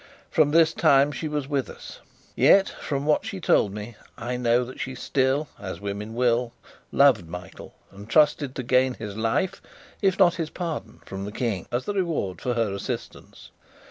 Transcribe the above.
From this time she was with us; yet, from what she told me, I know that she still (as women will) loved Michael, and trusted to gain his life, if not his pardon, from the King, as the reward for her assistance.